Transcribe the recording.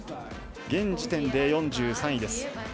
現時点で４３位です。